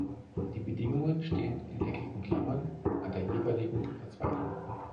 Die Bedingungen stehen in eckigen Klammern an der jeweiligen Verzweigung.